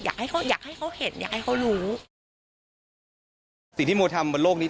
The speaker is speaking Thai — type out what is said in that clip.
อยากให้เขาอยากให้เขาเห็นอยากให้เขารู้สิ่งที่โมทำบนโลกนี้